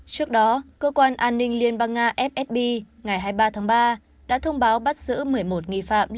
trước đó cơ quan an ninh liên bang nga fsb ngày hai mươi ba tháng ba đã thông báo bắt giữ một mươi một nghi phạm